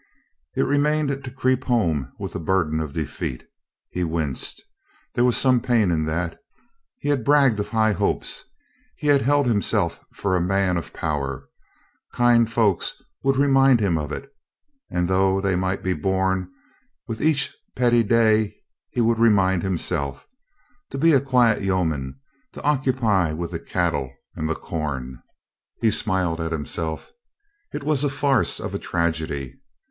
It remained to creep home with the burden of de feat. He winced. ... There was some pain in that. He had bragged of high hopes; he had held himself for a man of power. Kind folks would remind him of it, and though they might be borne, with each petty day he would remind himself. To 36o COLONEL GREATHEART be a quiet yeoman, to occupy with the cattle and the com ... he smiled at himself ... It was a farce of a tragedy.